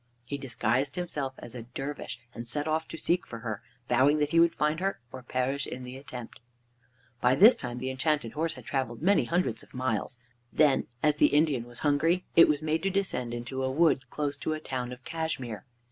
He disguised himself as a dervish and set off to seek for her, vowing that he would find her, or perish in the attempt. By this time the Enchanted Horse had traveled many hundreds of miles. Then, as the Indian was hungry, it was made to descend into a wood close to a town of Cashmere.